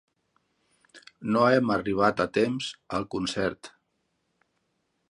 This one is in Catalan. No hem arribat a temps al concert.